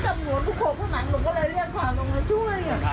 จับหัวโคกด้านหลังหนู